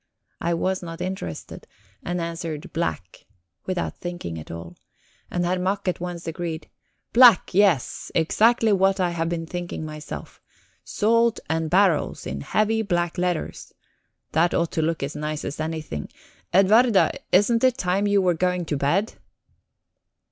I was not interested, and answered "black," without thinking at all. And Herr Mack at once agreed: "Black, yes exactly what I had been thinking myself. 'Salt and barrels' in heavy black letters that ought to look as nice as anything... Edwarda, isn't it time you were going to bed?"